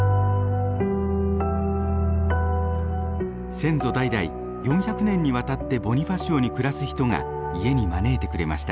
先祖代々４００年にわたってボニファシオに暮らす人が家に招いてくれました。